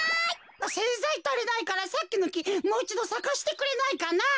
せんざいたりないからさっきのきもういちどさかせてくれないかな。